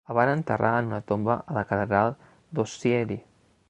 El van enterrar en una tomba a la catedral d'Ozieri.